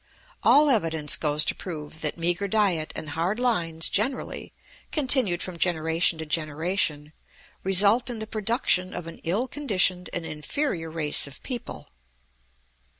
All evidence goes to prove that meagre diet and hard lines generally, continued from generation to generation, result in the production of an ill conditioned and inferior race of people.